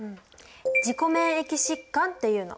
自己免疫疾患っていうの。